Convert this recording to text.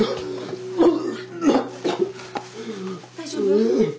大丈夫？